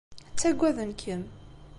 Ttagaden-kem.